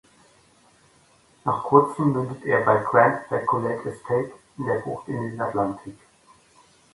Nach Kurzem mündet er bei "Grand Bacolet Estate" in der Bucht in den Atlantik.